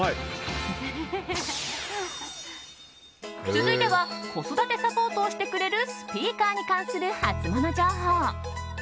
続いては子育てサポートをしてくれるスピーカーに関するハツモノ情報。